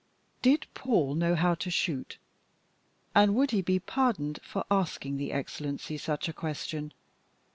Did Paul know how to shoot? And would he be pardoned for asking the Excellency such a question?